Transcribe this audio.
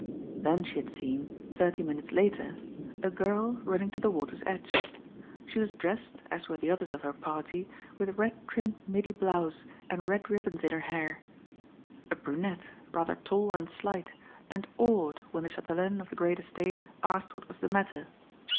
Then she had seen, thirty minutes later, a girl running to the water's edge. She was dressed, as were the others of her party, with red trimmed middy blouse and red ribbons in her hair. A brunette, rather tall and slight, and awed when the chatelaine of the great estate asked what was the matter.